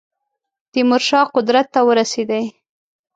تیمور شاه قدرت ته ورسېدی.